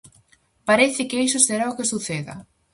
Parece que iso será o que suceda.